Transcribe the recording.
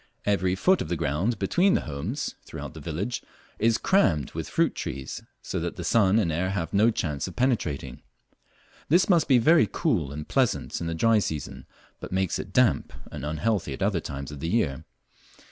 Every foot of ground between the homes throughout the village is crammed with fruit trees, so that the sun and air have no chance of penetrating. This must be very cool and pleasant in the dry season, but makes it damp and unhealthy at other times of the year.